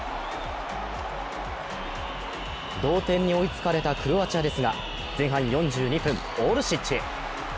同点に追いつかれたクロアチアですが、前半４２分、オルシッチ。